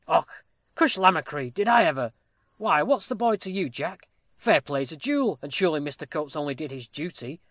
"Och! cushlamacree! did I ever? why, what's the boy to you, Jack? Fair play's a jewel, and surely Mr. Coates only did his duty.